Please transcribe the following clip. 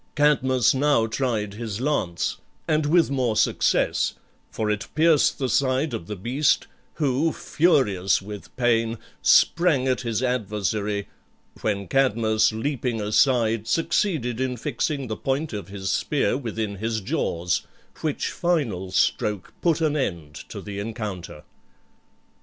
Cadmus now tried his lance, and with more success, for it pierced the side of the beast, who, furious with pain, sprang at his adversary, when Cadmus, leaping aside, succeeded in fixing the point of his spear within his jaws, which final stroke put an end to the encounter.